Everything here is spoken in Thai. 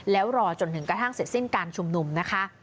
แล้วรอจนถึงกระทั่งเสร็จสิ้นการชุมนุมนะคะ